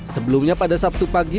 sebelumnya pada sabtu pagi